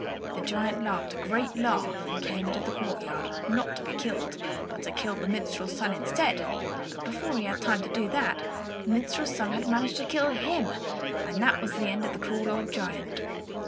The giant laughed a great laugh and came out into the courtyard, not to be killed, but to kill the minstrel's son instead; but before he had time to do that, the minstrel's son had managed to kill him, and there was an end of the cruel old giant.